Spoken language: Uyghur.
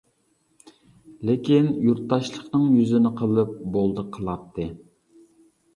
لېكىن، يۇرتداشلىقنىڭ يۈزىنى قىلىپ بولدى قىلاتتى.